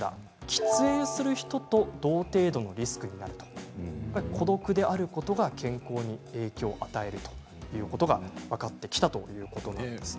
喫煙する人と同程度のリスクがあると孤独であることが健康に影響を与えているということが分かってきたということです。